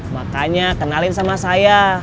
makanya kenalin sama saya